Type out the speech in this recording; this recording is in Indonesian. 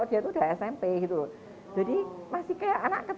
ini aja bisa